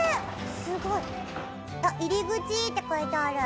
すごい。あっ「入口」って書いてある。